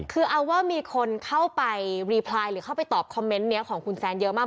คือเอาว่ามีคนเข้าไปรีพลายหรือเข้าไปตอบคอมเมนต์นี้ของคุณแซนเยอะมาก